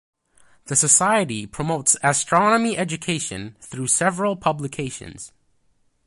The society promotes astronomy education through several publications.